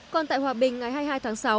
còn tại hòa bình ngày hai mươi hai tháng sáu